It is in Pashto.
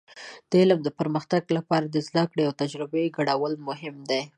د علم د پرمختګ لپاره د زده کړې او تجربې ګډول مهم دي.